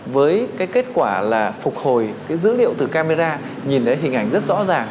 với cái kết quả là phục hồi cái dữ liệu từ camera nhìn thấy hình ảnh rất rõ ràng